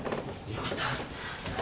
よかった。